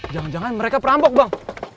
jangan jangan mereka perampok bang